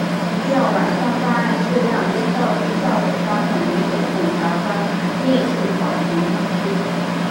要完善办案质量、效率、效果相统一的检察官业绩考评体系